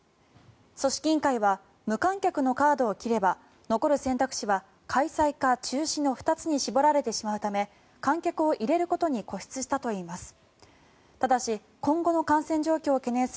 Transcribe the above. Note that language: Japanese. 組織委員会は無観客のカードを切れば残る選択肢は開催か中止の２つに絞られてしまうため観客を入れることに固執したといいます。